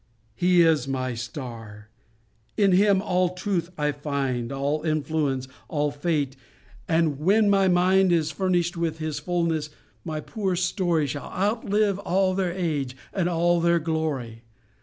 He is my star; in Him all truth I find, All influence, all fate. And when my mind Is furnished with His fulness, my poor story Shall outlive all their age, and all their glory.